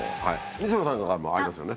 西野さんからもありますよね。